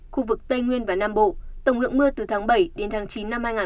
khu vực tây nguyên và nam bộ tổng lượng mưa từ tháng bảy chín hai nghìn hai mươi bốn